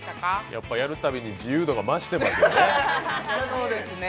やっぱ、やるたびに自由度が増してますね。